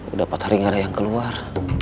udah empat hari gak ada yang keluar